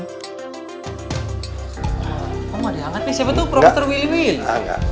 kok gak dianget nih siapa tuh prof willy willy